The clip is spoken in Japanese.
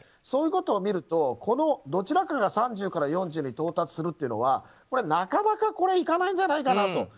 そういうことを見るとこのどちらかが３０から４０に到達するっていうのは、なかなかいかないんじゃないかなと。